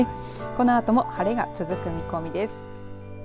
このあとも晴れが続く見込みです。